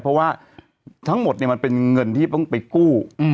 เพราะว่าทั้งหมดมันเป็นเงินที่ต้องไปกู้